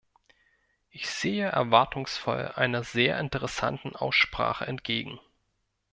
Ich sehe erwartungsvoll einer sehr interessanten Aussprache entgegen.